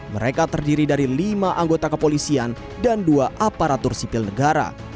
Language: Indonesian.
mereka terdiri dari lima anggota kepolisian dan dua aparatur sipil negara